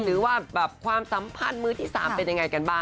หรือว่าแบบความสัมพันธ์มือที่๓เป็นยังไงกันบ้าง